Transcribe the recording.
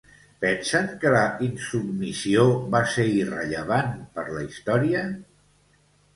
Pensen que la insubmissió va ser irrellevant per la història?